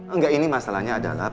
enggak ini masalahnya adalah